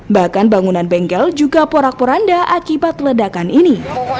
bahkan bangunan bengkel juga porak poranda akibat ledakan ini